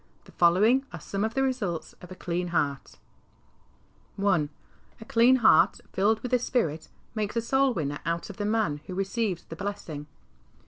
The following are some of the results of a clean heart : I. A dean heart filled with the Spirit makes a soul winner out of the man who receives the blessing.